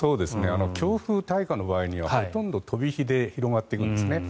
強風の時にはほとんど飛び火で広がっていくんですね。